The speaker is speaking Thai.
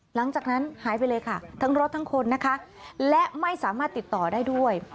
หลังจากนั้นหายไปเลยค่ะทั้งรถทั้งคนนะคะและไม่สามารถติดต่อได้ด้วย